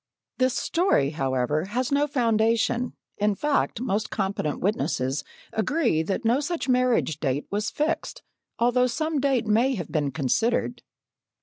This story, however, has no foundation; in fact, most competent witnesses agree that no such marriage date was fixed, although some date may have been considered.